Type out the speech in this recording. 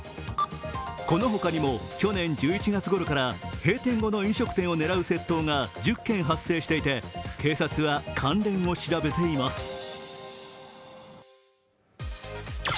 この他にも去年１１月頃から閉店後の飲食店を狙う窃盗が１０件発生していて、警察は関連を調べています。